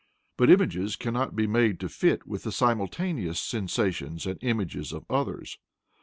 But images cannot be made to fit in with the simultaneous sensations and images of others.